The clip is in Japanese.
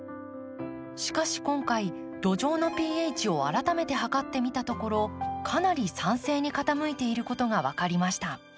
しかし今回土壌のｐＨを改めて測ってみたところかなり酸性に傾いていることが分かりました。